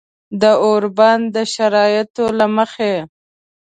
د اوربند د شرایطو له مخې